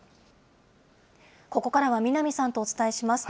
ここからは南さんとお伝えします。